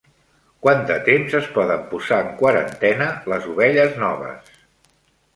Quant de temps es poden posar en quarantena les ovelles noves?